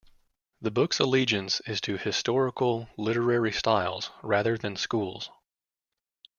The book's allegiance is to historical literary styles rather than schools.